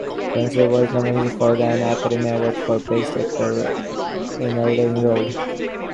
Franciosa was nominated for an Academy Award for Best Actor in a Leading Role.